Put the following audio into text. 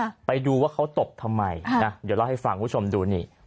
ไปดูว่าเขาตบทำไมอ่านะเดี๋ยวเล่าให้ฟังคุณผู้ชมดูนี่